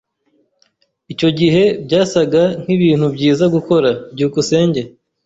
Icyo gihe, byasaga nkibintu byiza gukora. byukusenge